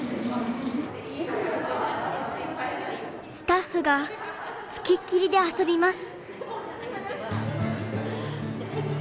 スタッフが付きっきりで遊びます。